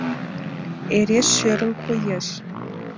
Эре шӧрын коеш...